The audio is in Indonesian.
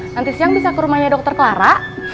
nanti siang bisa ke rumahnya dokter clara